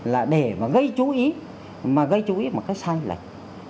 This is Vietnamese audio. là để mà gây chú ý mà gây chú ý một cách sai lệch